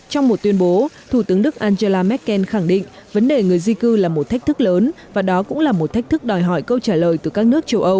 trong một tuyên bố thủ tướng đức angela merkel khẳng định vấn đề người di cư là một thách thức lớn và đó cũng là một thách thức đòi hỏi câu trả lời từ các nước châu âu